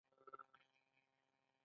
هغه په دولتي اداره کې استخدام کیږي.